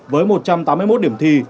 với một trăm tám mươi một điểm thi